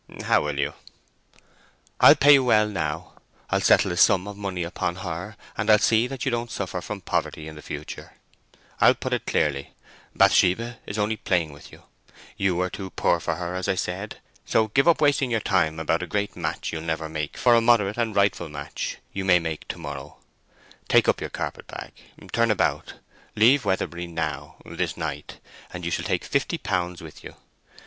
"How will you?" "I'll pay you well now, I'll settle a sum of money upon her, and I'll see that you don't suffer from poverty in the future. I'll put it clearly. Bathsheba is only playing with you: you are too poor for her as I said; so give up wasting your time about a great match you'll never make for a moderate and rightful match you may make to morrow; take up your carpet bag, turn about, leave Weatherbury now, this night, and you shall take fifty pounds with you.